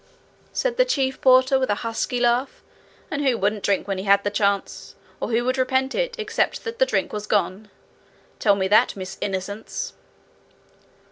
said the chief porter, with a husky laugh. 'And who wouldn't drink when he had a chance? Or who would repent it, except that the drink was gone? Tell me that, Miss Innocence.'